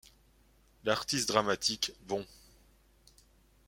L’artiste dramatique, bon.